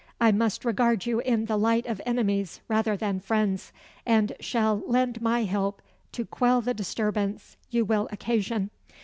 I must regard you in the light of enemies rather than friends, and shall lend my help to quell the disturbance you will occasion.